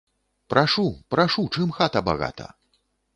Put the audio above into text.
Прашу, прашу, чым хата багата.